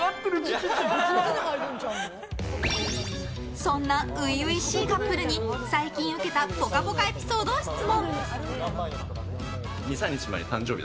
そんな初々しいカップルに最近ウケたぽかぽかエピソードを質問！